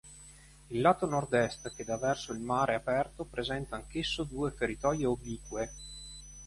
Il lato nord-est, che dà verso il mare aperto, presenta anch'esso due feritoie oblique.